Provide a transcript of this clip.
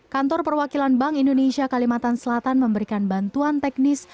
kantor perwakilan bank indonesia kalimantan selatan memberikan bantuan teknis